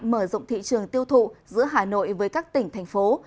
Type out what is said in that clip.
mở rộng thị trường tiêu thụ giữa hà nội với các tỉnh thành phố